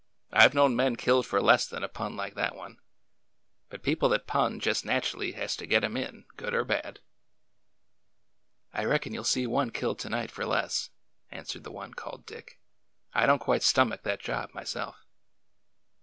I 've known men killed for less than a pun like that one. But people that pun jes' natchelly has to get 'em in, good or bad." I reckon you 'll see one killed to night for less," an swered the one called Dick. '' I don't quite stomach that job, myself."